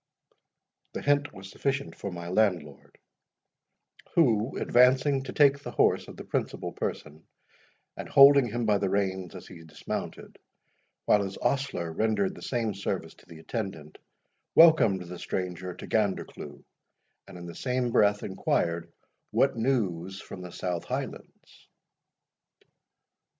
The hint was sufficient for my Landlord, who, advancing to take the horse of the principal person, and holding him by the reins as he dismounted, while his ostler rendered the same service to the attendant, welcomed the stranger to Gandercleugh, and, in the same breath, enquired, "What news from the south hielands?"